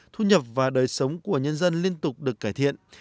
thu nhập và đời sống của nhân dân liên tục được cải thiện